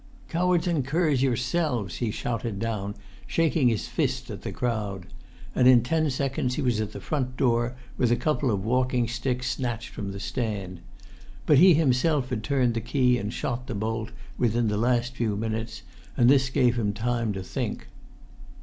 "Cowards and curs yourselves!" he shouted down, shaking his fists at the crowd; and in ten seconds he[Pg 37] was at the front door, with a couple of walking sticks snatched from the stand. But he himself had turned the key and shot the bolt within the last few minutes, and this gave him time to think.